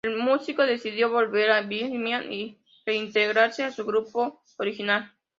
El músico decidió volver a Birmingham y reintegrarse a su grupo original.